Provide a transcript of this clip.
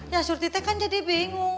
ya surti teh kan jadi bingung